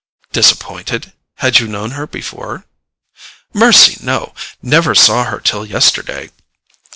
"Disappointed? Had you known her before?" "Mercy, no—never saw her till yesterday.